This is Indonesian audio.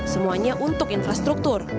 semuanya untuk infrastruktur